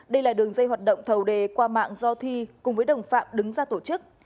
đây là đường dây hoạt động thầu đề qua mạng do thi cùng với đồng phạm đứng ra tổ chức